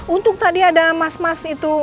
untuk tadi ada mas mas itu